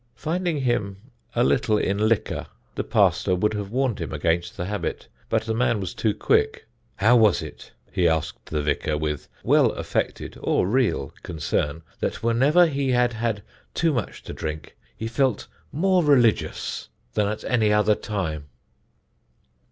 Finding him a little in liquor the pastor would have warned him against the habit, but the man was too quick. How was it, he asked the vicar with well affected or real concern, that whenever he had had too much to drink he felt more religious than at any other time?